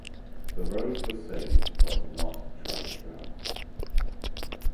The roads were saved-but not the traffic jams.